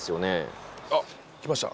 あっきました